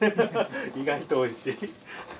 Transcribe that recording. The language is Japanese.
意外とおいしい。